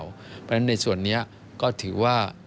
เพราะฉะนั้นในส่วนนี้ก็ถือว่า